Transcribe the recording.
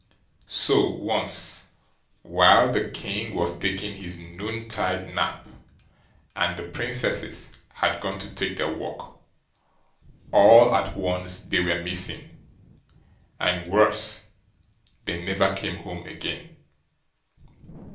So once, while the king was taking his noontide nap, and the Princesses had gone to take their walk, all at once they were missing, and worse, they never came home again.